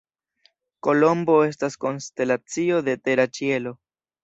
Kolombo estas konstelacio de tera ĉielo.